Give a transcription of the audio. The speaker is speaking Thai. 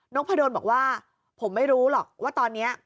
พะดนบอกว่าผมไม่รู้หรอกว่าตอนนี้